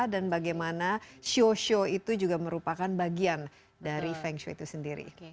dan bagaimana shiho shio itu juga merupakan bagian dari feng shui itu sendiri